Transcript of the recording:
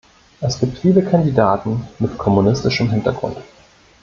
Es gibt viele Kandidaten mit kommunistischem Hintergrund.